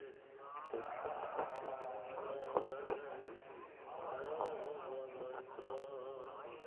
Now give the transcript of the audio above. Сеплъынт, а фи щӏакхъуэр зэрыхъум, хьэжыгъэфӏ фимыӏамэ.